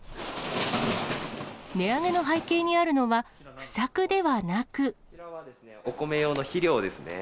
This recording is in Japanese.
値上げの背景にあるのは、不作でお米用の肥料ですね。